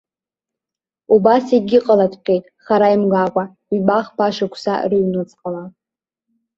Убас егьыҟалаҵәҟьеит хара имгакәа, ҩба-хԥа шықәса рыҩнуҵҟала.